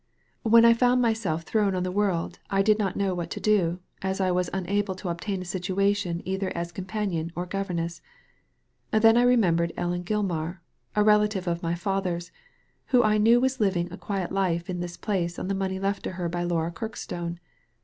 When I found myself thrown on the world I did not know what to do, as I was unable to obtain a situation either as companion or governess. Then I remembered Ellen Gilmar — a relative of my father's, who I knew was living a quiet life in this place on the money left to her by Laura Kirkstone.